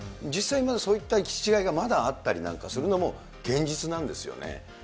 実際、まだそういった行き違いがまだあったりなんかするのも、現実なんですよね。